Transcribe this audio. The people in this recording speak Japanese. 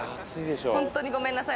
ホントにごめんなさい